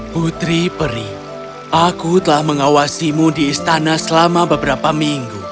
putri peri aku telah mengawasimu di istana selama beberapa minggu